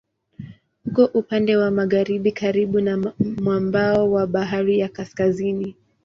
Uko upande wa magharibi karibu na mwambao wa Bahari ya Kaskazini.